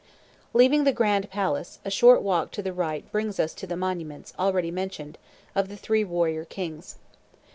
Leaving the Grand Palace, a short walk to the right brings us to the monuments, already mentioned, of the three warrior kings.